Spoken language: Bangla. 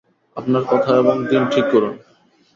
আপনার কথা এবং দিন ঠিক করুন।